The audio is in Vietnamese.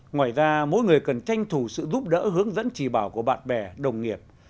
ngoài ra mỗi người cần tranh thủ sự giúp đỡ hướng dẫn chỉ bảo của bạn bè đồng nghiệp